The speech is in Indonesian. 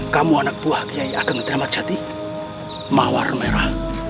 kamu anak buah kiai ageng teramat jati mawar merah